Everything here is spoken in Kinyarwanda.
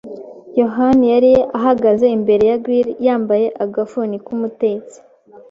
yohani yari ahagaze imbere ya grill yambaye agafuni k'umutetsi.